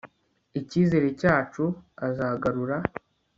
icyizere cyacu azagarura